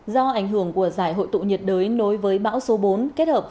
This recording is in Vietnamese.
do ảnh hưởng của giải hội tụ nhiệt đới nối với bão số bốn